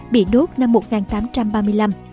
bị đốt năm một nghìn tám trăm ba mươi năm